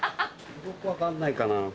僕分かんないかな。